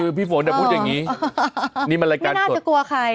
คือพี่ฝนจะพูดอย่างงี้ไม่น่าจะกลัวใคร